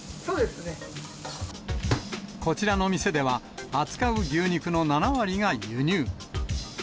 こちらの店では扱う牛肉の７割が輸入。